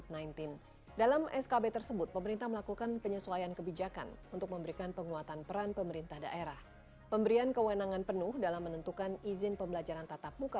jadi bagi orang tua yang tidak menelusuri putra putrinya untuk melakukan pembelajaran tetap muka